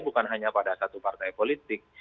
bukan hanya pada satu partai politik